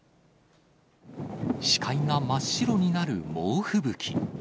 視界が真っ白になる猛吹雪。